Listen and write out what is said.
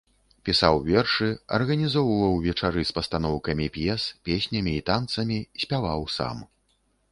Пісаў вершы, арганізоўваў вечары з пастаноўкамі п'ес, песнямі і танцамі, спяваў сам.